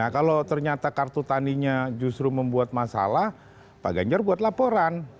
kalau ternyata kartu taninya justru membuat masalah pak ganjar buat laporan